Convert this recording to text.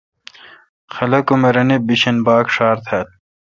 خلق ام اے رنے بھیشن بھاگ ڄھار تھال۔